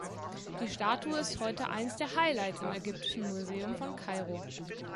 Die Statue ist heute eines der "Highlights" im Ägyptischen Museum von Kairo.